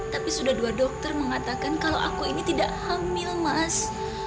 tapi sudah dua dokter mengatakan kalau aku ini tidak hamil mas